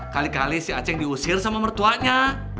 kali kali si acing di usir sama mertuanya